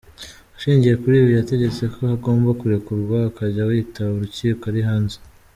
Ashingiye kuri ibi yategetse ko agomba kurekurwa akajya yitaba urukiko ari hanze.